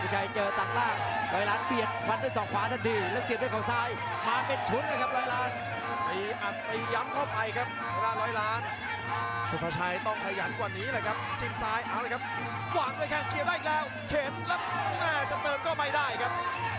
หวังเลยแข่งเขียนได้อีกแล้วเขียนแล้วแน่จะเติมก็ไม่ได้ครับ